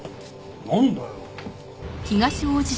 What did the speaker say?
なんだよ。